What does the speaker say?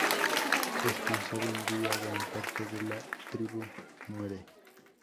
En tan sólo un día, gran parte de la tribu muere.